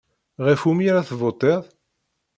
Ɣef wumi ara tevuṭiḍ?